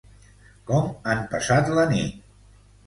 Com han passat la nit?